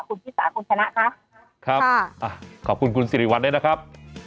คุณชิสาคุณชนะครับครับค่ะอ่ะขอบคุณคุณสิริวัลด้วยนะครับ